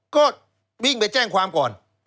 ก็วิ่งไปแจ้งความก่อน